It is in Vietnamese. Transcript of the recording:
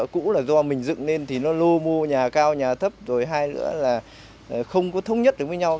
chuyên học khó chịu